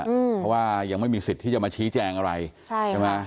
เพราะว่ายังไม่มีสิทธิ์ที่จะมาชี้แจงอะไรใช่ใช่ไหม